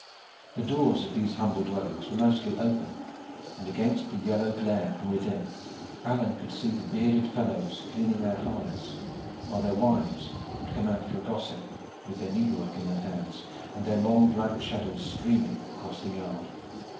The doors of these humble dwellings were mostly open, and against the yellow glare from within Alleyne could see the bearded fellows cleaning their harness, while their wives would come out for a gossip, with their needlework in their hands, and their long black shadows streaming across the yard.